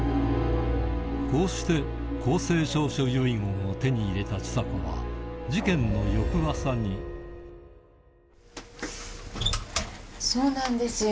こうして公正証書遺言を手に入れた千佐子はそうなんですよ